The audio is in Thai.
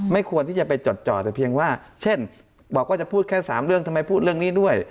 ควรที่จะไปจดจ่อแต่เพียงว่าเช่นบอกว่าจะพูดแค่๓เรื่องทำไมพูดเรื่องนี้ด้วย